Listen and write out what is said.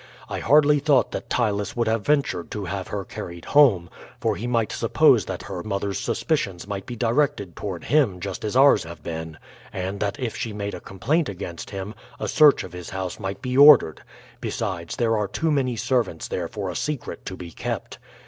I hardly thought that Ptylus would have ventured to have her carried home, for he might suppose that her mother's suspicions might be directed toward him just as ours have been, and that if she made a complaint against him a search of his house might be ordered; besides, there are too many servants there for a secret to be kept.